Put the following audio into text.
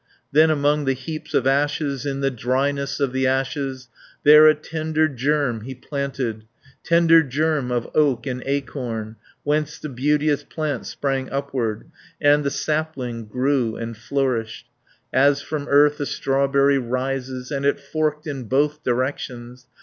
Then among the heaps of ashes, In the dryness of the ashes, There a tender germ he planted, Tender germ, of oak an acorn Whence the beauteous plant sprang upward, And the sapling grew and flourished, As from earth a strawberry rises, And it forked in both directions.